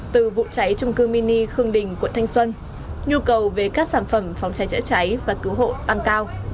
từ vụ cháy trung cư mini khương đình quận thanh xuân nhu cầu về các sản phẩm phòng cháy chữa cháy và cứu hộ tăng cao